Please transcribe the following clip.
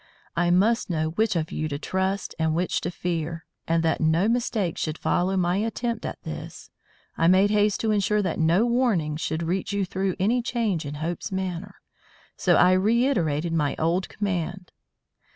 I must know which of you to trust and which to fear; and that no mistake should follow my attempt at this, I made haste to insure that no warning should reach you through any change in Hope's manner. So I reiterated my old command.